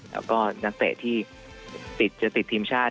แล้วก็นักเตะที่จะติดทีมชาติ